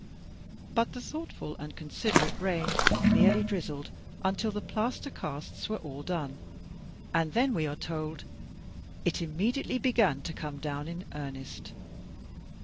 But the thoughtful and considerate rain merely drizzled imtil the plaster casts were all done, and then, we are told, "it immediately began to come down in earnest."